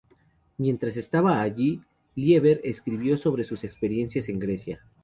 Mientras estaba allí, Lieber escribió sobre sus experiencias en Grecia.